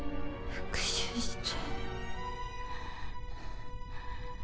復讐して